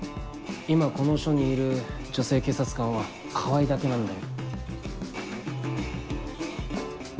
今この署にいる女性警察官は川合だけなんだよ。